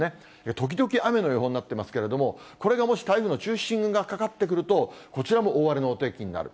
時々雨の予報になってますけれども、これがもし、台風の中心がかかってくると、こちらも大荒れのお天気になる。